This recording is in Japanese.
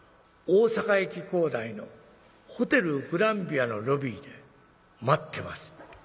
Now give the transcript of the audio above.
大阪駅構内のホテルグランヴィアのロビーで待ってます』。